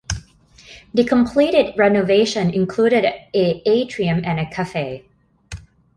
The completed renovation included a atrium and cafe.